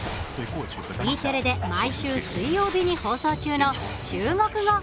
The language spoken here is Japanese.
Ｅテレで毎週水曜日に放送中の「中国語！ナビ」。